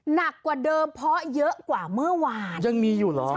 หนักกว่าเดิมเพราะเยอะกว่าเมื่อวานยังมีอยู่เหรอ